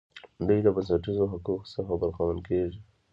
دوی له بنسټیزو حقوقو څخه برخمن کیږي.